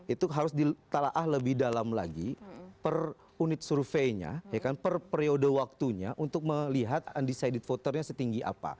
itu harus ditelaah lebih dalam lagi per unit surveinya per periode waktunya untuk melihat undecided voternya setinggi apa